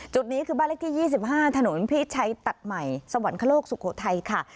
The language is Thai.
จุดนี้คือบ้านเลขที่๒๕ถนนพี่ชัยตัดใหม่สวรรคโลกสุโขทัยค่ะ